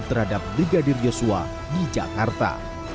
terhadap brigadir yosua di jakarta